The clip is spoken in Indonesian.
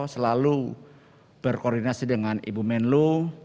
selalu berkoordinasi dengan ibu menlo